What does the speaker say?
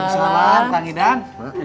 mati salam kang idan